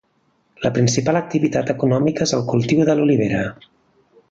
La principal activitat econòmica és el cultiu de l'olivera.